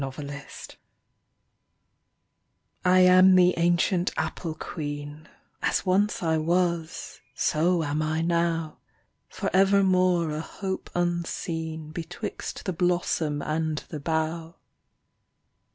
POMONA I am the ancient Apple Queen, As once I was so am I now. For evermore a hope unseen, Betwixt the blossom and the bough.